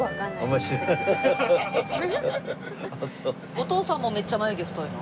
お父さんもめっちゃ眉毛太いの？